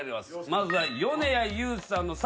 まずは。